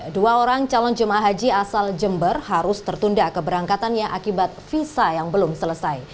dua orang calon jemaah haji asal jember harus tertunda keberangkatannya akibat visa yang belum selesai